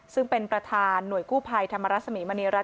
ซึ่งเป็นประธานหน่วยกู้ภัยธรรมรสมีมณีรัฐ